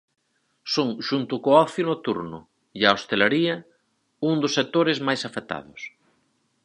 Son, xunto co ocio nocturno e a hostalería, un dos sectores máis afectados.